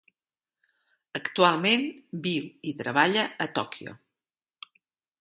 Actualment, viu i treballa a Tòquio.